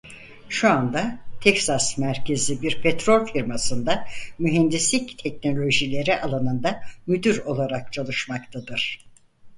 Şu anda Teksas merkezli bir petrol firmasında mühendislik teknolojileri alanında müdür olarak çalışmaktadır.